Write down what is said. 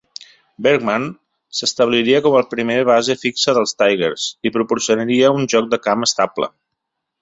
Bergman s'establiria com el primer base fixe dels Tigers i proporcionaria un joc de camp estable.